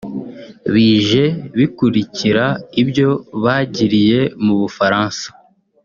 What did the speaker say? bije bikurikira ibyo bagiriye mu Bufaransa